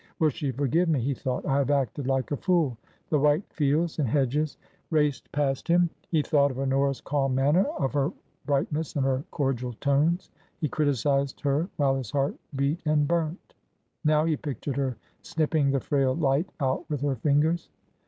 " Will she forgive me ?" he thought. " I have acted like a fool." The white fields and hedges raced past him. He thought of Honora's calm manner, of her brightness and her cordial tones. He criticised her while his heart beat and burnt. Now he pictured her snipping the frail light out with her fingers.